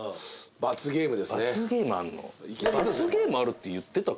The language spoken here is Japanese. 罰ゲームあるって言ってたっけ？